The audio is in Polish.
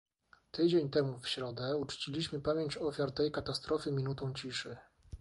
Tydzień temu w środę uczciliśmy pamięć ofiar tej katastrofy minutą ciszy